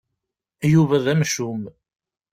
Yuba d amcum.